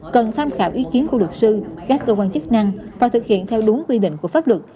cần tham khảo ý kiến của luật sư các cơ quan chức năng và thực hiện theo đúng quy định của pháp luật